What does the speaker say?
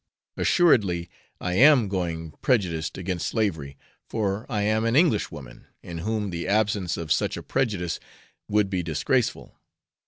Assuredly I am going prejudiced against slavery, for I am an Englishwoman, in whom the absence of such a prejudice would be disgraceful.